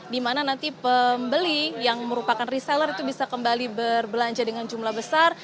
di mana nanti pembeli yang merupakan reseller itu bisa kembali berbelanja dengan jumlah besar